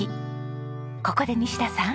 ここで西田さん。